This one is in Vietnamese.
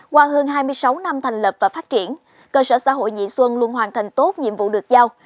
qua hơn hai mươi sáu năm thành lập và phát triển cơ sở xã hội nhị xuân luôn hoàn thành tốt nhiệm vụ được giao